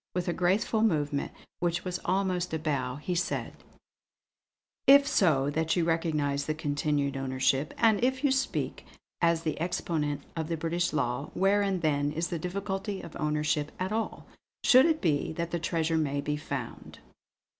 With a graceful movement, which was almost a bow, he said: "If so that you recognise the continued ownership, and if you speak as the exponent of the British law, wherein then is the difficulty of ownership at all; should it be that the treasure may be found?"